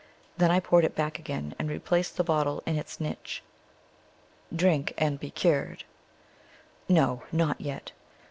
Then I poured it back again and replaced the bottle in its niche. Drink and be cured. No, not yet.